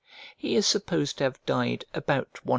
He is supposed to have died about 113 A.